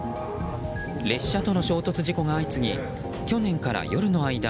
列車との衝突事故が相次ぎ去年から夜の間